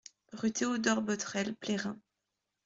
Rue Théodore Botrel, Plérin